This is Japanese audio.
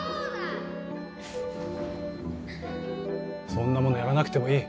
そんなものやらなくてもいい